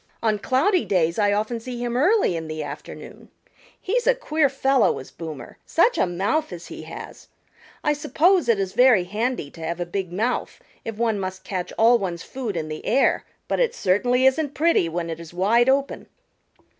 On cloudy days I often see him early in the afternoon. He's a queer fellow, is Boomer. Such a mouth as he has! I suppose it is very handy to have a big mouth if one must catch all one's food in the air, but it certainly isn't pretty when it is wide open."